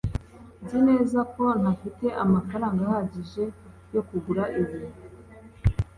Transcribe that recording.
nzi neza ko ntafite amafaranga ahagije yo kugura ibi